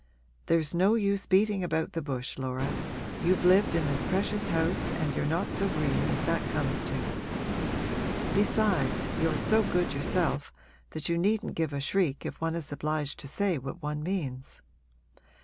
There's no use beating about the bush, Laura you've lived in this precious house and you're not so green as that comes to. Besides, you're so good yourself that you needn't give a shriek if one is obliged to say what one means.